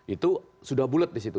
itu sudah bulet disitu